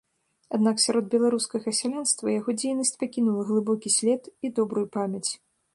Аднак сярод беларускага сялянства яго дзейнасць пакінула глыбокі след і добрую памяць.